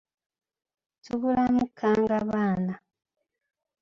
Tabulamu kkangabaana.